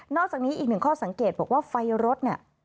อกจากนี้อีกหนึ่งข้อสังเกตบอกว่าไฟรถเนี่ย